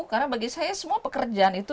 karena bagi saya semua pekerjaan itu